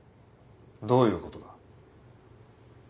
どういうことだ？